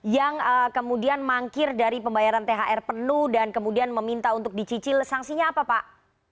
yang kemudian mangkir dari pembayaran thr penuh dan kemudian meminta untuk dicicil sanksinya apa pak